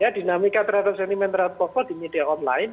ya dinamika terhadap sentimen terhadap tokoh di media online